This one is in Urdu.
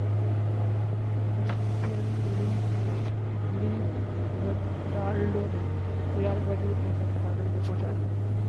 چیمپئنز لیگرونالڈو نے ریال میڈرڈ کوسیمی فائنل میں پہنچادیا